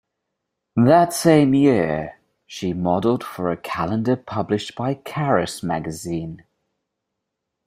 That same year, she modeled for a calendar published by Caras magazine.